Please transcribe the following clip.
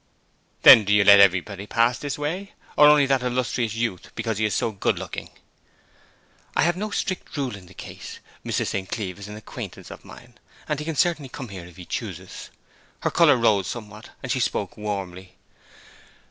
'Then do you let everybody pass this way, or only that illustrious youth because he is so good looking?' 'I have no strict rule in the case. Mr. St. Cleeve is an acquaintance of mine, and he can certainly come here if he chooses.' Her colour rose somewhat, and she spoke warmly.